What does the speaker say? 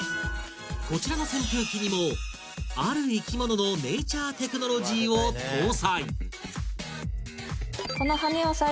こちらの扇風機にもある生き物のネイチャ―テクノロジーを搭載うわ当てたいね